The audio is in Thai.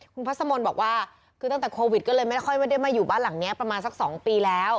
คุณพัสมนต์บอกว่าคือตั้งแต่โควิดก็เลยไม่ค่อยไม่ได้มาอยู่บ้านหลังนี้ประมาณสัก๒ปีแล้ว